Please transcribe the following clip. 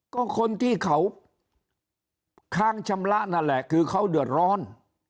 ก็คนที่เขาค้างชำระนั่นแหละคือเขาเดือดร้อน